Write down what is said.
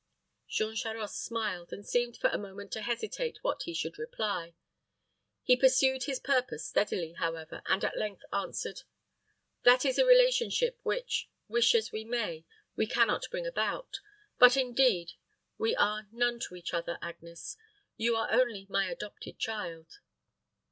Jean Charost smiled, and seemed for a moment to hesitate what he should reply. He pursued his purpose steadily, however, and at length answered, "That is a relationship which, wish as we may, we can not bring about. But, indeed, we are none to each other, Agnes. You are only my adopted child."